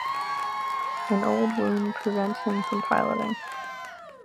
An old wound prevents him from piloting.